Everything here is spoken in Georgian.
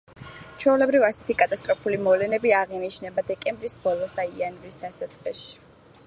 ჩვეულებრივ, ასეთი კატასტროფული მოვლენები აღინიშნება დეკემბრის ბოლოსა და იანვრის დასაწყისში.